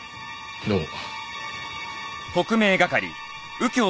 どうも。